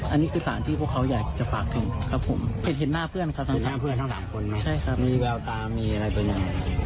อันนี้คือสารที่พวกเขาอยากจะฝากถึงครับผมเห็นหน้าเพื่อนค่ะทั้ง๓คนมีแบลว์ตามีอะไรตัวเนี่ย